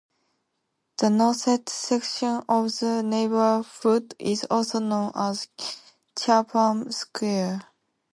The northeast section of the neighborhood is also known as Chatham Square.